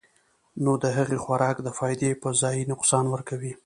نو د هغې خوراک د فائدې پۀ ځائے نقصان ورکوي -